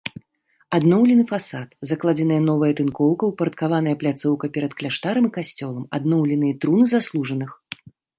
Адноўлены фасад, закладзеная новая тынкоўка, упарадкаваная пляцоўка перад кляштарам і касцёлам, адноўленыя труны заслужаных.